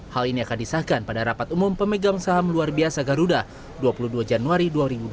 hal ini akan disahkan pada rapat umum pemegang saham luar biasa garuda dua puluh dua januari dua ribu dua puluh